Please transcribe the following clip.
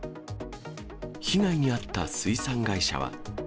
被害に遭った水産会社は。